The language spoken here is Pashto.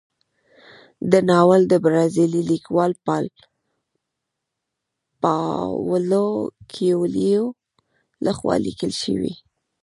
دا ناول د برازیلي لیکوال پاولو کویلیو لخوا لیکل شوی دی.